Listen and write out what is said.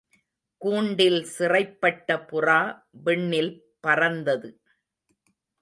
கூண்டில் சிறைப்பட்ட புறா விண்ணில் பறந்தது.